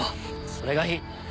それがいい。